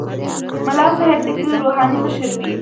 ملا صاحب د کلي روحاني مشر وي.